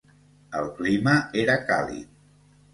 El clima era càlid.